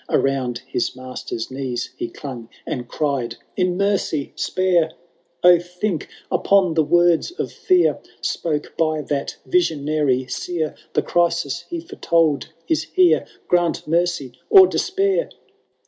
Around his master's knees he clung, And cried, In mercy, spare ! O, think upon the words of fear Spoke by that visionary Seer, The crisis he foretold ia here^— Grant mercy, — or despair